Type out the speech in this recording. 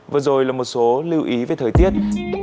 vừa rồi là một số lưu ý về thời tiết